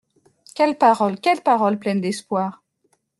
Quelle parole ? quelle parole pleine d’espoir ?